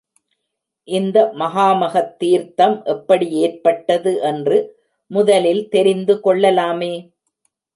இந்த மகாமகத் தீர்த்தம் எப்படி ஏற்பட்டது என்று முதலில் தெரிந்துகொள்ளலாமே.